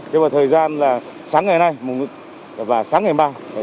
thế vào thời gian sáng ngày nay và sáng ngày mai